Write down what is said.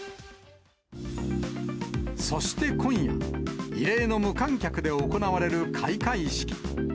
そして今夜、異例の無観客で行われる開会式。